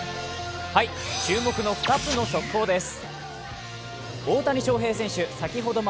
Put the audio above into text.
注目の２つの速報です。